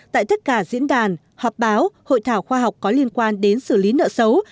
tại tất cả diễn đàn họp báo hội thảo khoa học có liên quan đến xử lý nợ xấu